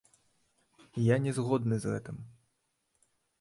Я не згодны з гэтым.